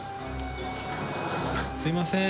すいません。